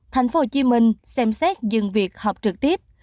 thành phố hồ chí minh xem xét dừng việc học trực tiếp